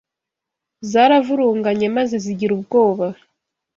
zaravurunganye maze zigira ubwoba